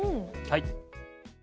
はい。